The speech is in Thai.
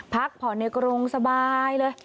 พักผ่อนในกรงสบายเลย